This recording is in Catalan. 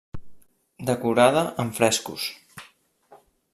Decorada amb frescos.